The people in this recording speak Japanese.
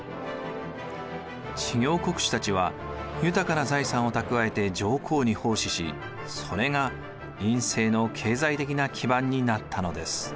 知行国主たちは豊かな財産を蓄えて上皇に奉仕しそれが院政の経済的な基盤になったのです。